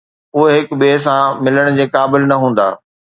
اهي هڪ ٻئي سان ملڻ جي قابل نه هوندا